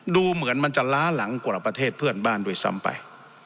ดูเหมือนมันจะล้าหลังกว่าประเทศเพื่อนบ้านด้วยซ้ำไป